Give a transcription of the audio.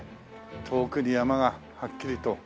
遠くに山がはっきりと。